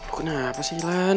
kenapa sih wulan